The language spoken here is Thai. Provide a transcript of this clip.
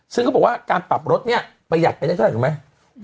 ซึ่งเขาบอกว่าการปรับรถเนี่ยประหยัดไปได้เท่าไหร่